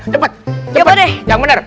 dah dah cepet